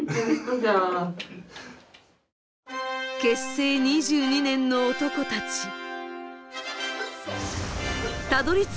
結成２２年の男たち。